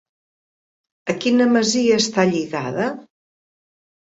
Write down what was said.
A quina masia està lligada?